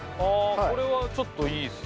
これはちょっといいです。